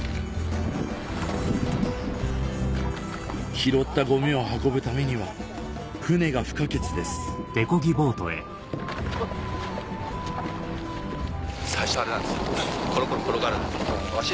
拾ったゴミを運ぶためには船が不可欠ですわし。